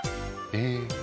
え。